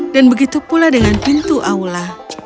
dan begitu pula dengan pintu aula